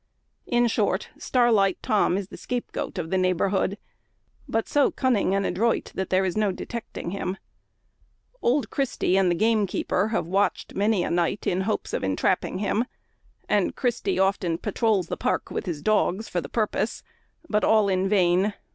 In short, Starlight Tom is the scapegoat of the neighbourhood; but so cunning and adroit, that there is no detecting him. Old Christy and the gamekeeper have watched many a night in hopes of entrapping him; and Christy often patrols the park with his dogs, for the purpose, but all in vain.